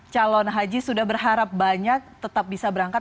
calon haji sudah berharap banyak tetap bisa berangkat